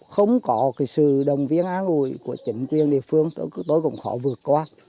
không có sự đồng viên án ngùi của trịnh truyền địa phương tôi cũng khó vượt qua